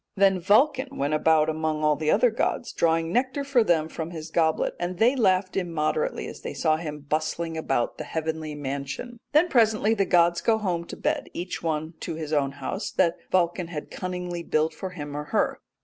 Then Vulcan went about among all other gods drawing nectar for them from his goblet, and they laughed immoderately as they saw him bustling about the heavenly mansion." Then presently the gods go home to bed, each one in his own house that Vulcan had cunningly built for him or her.